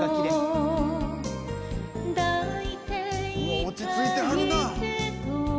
うわ落ち着いてはるな。